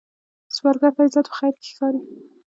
سوالګر ته عزت په خیر کې ښکاري